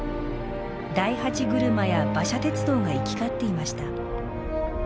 大八車や馬車鉄道が行き交っていました。